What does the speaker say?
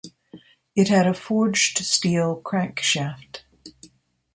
It had a forged steel crankshaft.